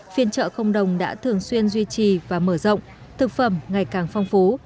phiên chợ không đồng đã thường xuyên duy trì và mở rộng thực phẩm ngày càng phong phú